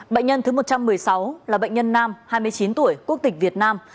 bệnh nhân thứ một trăm một mươi sáu là bệnh nhân nam hai mươi chín tuổi quốc tịch việt nam